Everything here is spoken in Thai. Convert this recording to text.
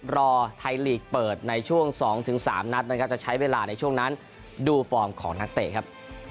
รอไทยลีกเปิดในช่วง๒๓นัดนะครับจะใช้เวลาในช่วงนั้นดูฟอร์มของนักเตะครับ